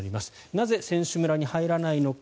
なぜ、選手村に入らないのか。